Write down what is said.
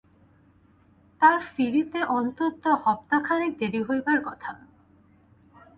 তাঁর ফিরিতে অন্তত হপ্তা-খানেক দেরি হইবার কথা।